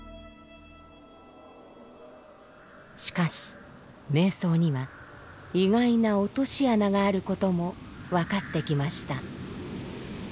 しかし瞑想には意外な落とし穴があることも分かってきました。